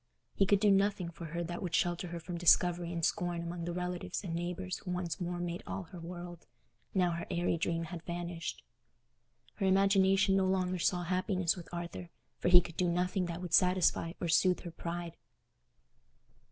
He could do nothing for her that would shelter her from discovery and scorn among the relatives and neighbours who once more made all her world, now her airy dream had vanished. Her imagination no longer saw happiness with Arthur, for he could do nothing that would satisfy or soothe her pride.